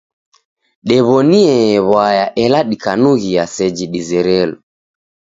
Dew'oniee w'aya ela dikanughia seji dizerelo.